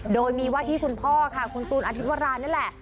โดยมีว่าที่คุณพ่อค่ะคุณตูนอธิวรานี่แหละ